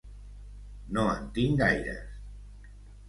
No en tinc gaires.